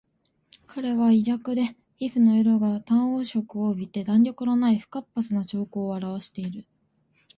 彼は胃弱で皮膚の色が淡黄色を帯びて弾力のない不活発な徴候をあらわしている